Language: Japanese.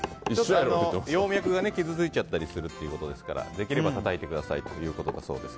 葉脈が傷ついちゃったりするということですからできればたたいてくださいということです。